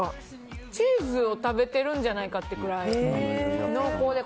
チーズを食べてるんじゃないかってくらい濃厚で。